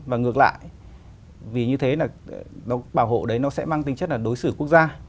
và ngược lại vì như thế là bảo hộ đấy nó sẽ mang tinh chất là đối xử quốc gia